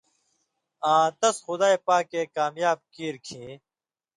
آں تس خدائ پاکے کامیاب کیریۡ کھیں